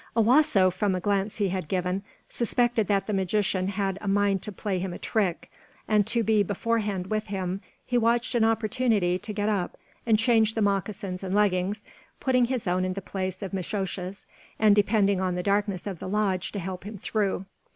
Owasso, from a glance he had given, suspected that the magician had a mind to play him a trick; and to be beforehand with him, he watched an opportunity to get up and change the moccasins and leggings, putting his own in the place of Mishosha's, and depending on the darkness of the lodge to help him through.